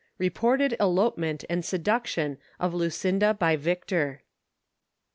REPORTED ELOPEMENT AND SEDUCTION OF LUCINDA BY VICTOR.